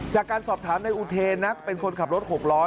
จากการสอบถามในอุเทนนะเป็นคนขับรถ๖ล้อ